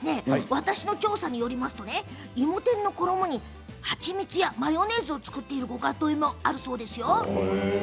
私の調査によりますといも天の衣に蜂蜜やマヨネーズを使っているご家庭もあるそうですよ。